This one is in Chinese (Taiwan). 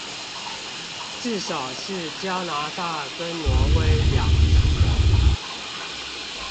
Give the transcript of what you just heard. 至少是加拿大跟挪威養殖的